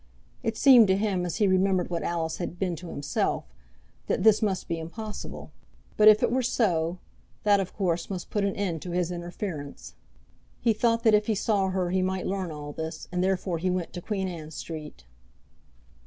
It seemed to him, as he remembered what Alice had been to himself, that this must be impossible. But if it were so, that of course must put an end to his interference. He thought that if he saw her he might learn all this, and therefore he went to Queen Anne Street.